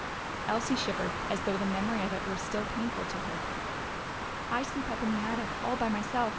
Elsie shivered, as though the memory of it were still painful to her. "I sleep up in the attic, all by myself.